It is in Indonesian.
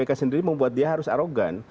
tapi kpk sendiri membuat dia harus arogan